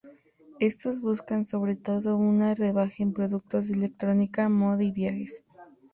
Estos buscan, sobre todo, una rebaja en productos de electrónica, moda y viajes.